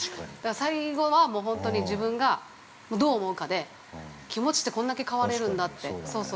最後は、本当に自分がどう思うかで気持ちってこんだけ変われるんだって。